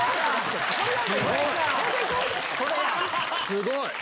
すごい！